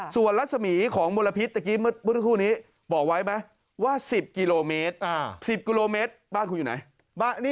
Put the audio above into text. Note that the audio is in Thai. ส่วนรัศมีของมลพิษเมื่อกี้เมื่อสักครู่นี้บอกไว้ไหมว่า๑๐กิโลเมตร๑๐กิโลเมตรบ้านคุณอยู่ไหน